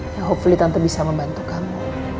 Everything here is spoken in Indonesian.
yang hopefully tante bisa membantu kamu